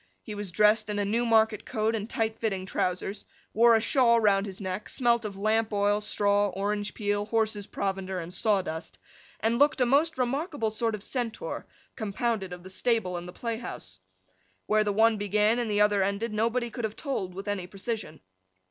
He was dressed in a Newmarket coat and tight fitting trousers; wore a shawl round his neck; smelt of lamp oil, straw, orange peel, horses' provender, and sawdust; and looked a most remarkable sort of Centaur, compounded of the stable and the play house. Where the one began, and the other ended, nobody could have told with any precision.